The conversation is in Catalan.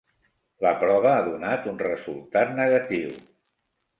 La prova ha donat un resultat negatiu.